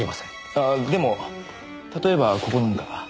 ああでも例えばここなんか。